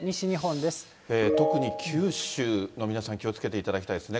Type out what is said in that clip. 特に九州の皆さん、気をつけていただきたいですね。